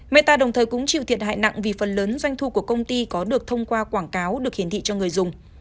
meta đồng thời cũng chịu thiệt hại nặng vì phần lớn doanh thu của công ty có được thông qua quảng cáo được hiển thị cho người dùng